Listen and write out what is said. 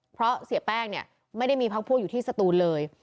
เพราะเสียแป้งเนี่ยไม่ได้มีพักพวกอยู่ที่สตูนเลย